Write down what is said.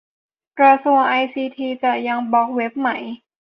กระทรวงไอซีทีจะยังบล็อคเว็บไหม